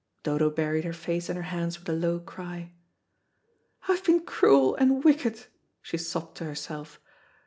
Dodo buried her face in her hands with a low cry. "I have been cruel and wicked," she sobbed to herself.